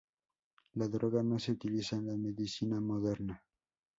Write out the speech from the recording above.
La droga no se utiliza en la medicina moderna.